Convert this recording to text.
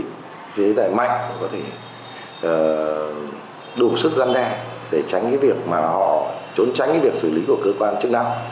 chế tài mạnh có thể đủ sức gian đe để tránh cái việc mà họ trốn tránh cái việc xử lý của cơ quan chức năng